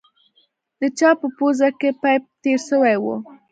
د چا په پوزه کښې پيپ تېر سوى و.